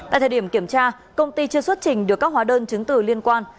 tại thời điểm kiểm tra công ty chưa xuất trình được các hóa đơn chứng từ liên quan